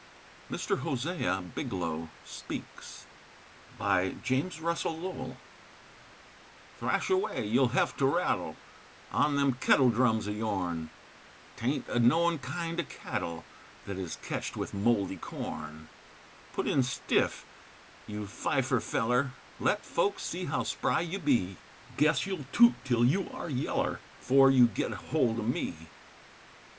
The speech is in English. MR. HOSEA BIGLOW SPEAKS Thrash away, you'll hev to rattle On them kittle drums o' yourn, 'Taint a knowin' kind o' cattle Thet is ketched with mouldy corn; Put in stiff, you fifer feller, Let folks see how spry you be, Guess you'll toot till you are yeller 'Fore you git ahold o' me!